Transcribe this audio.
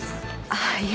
ああいや